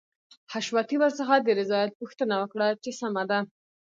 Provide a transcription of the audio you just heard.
حشمتي ورڅخه د رضايت پوښتنه وکړه چې سمه ده.